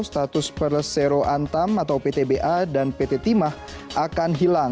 status persero antam atau ptba dan pt timah akan hilang